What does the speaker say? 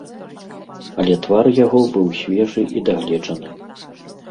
Але твар яго быў свежы і дагледжаны.